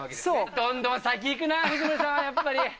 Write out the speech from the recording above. どんどん先行くな、藤森さんはやっぱり。